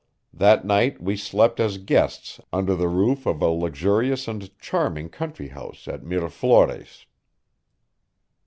That night we slept as guests under the roof of a luxurious and charming country house at Miraflores.